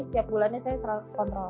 setiap bulannya saya selalu kontrol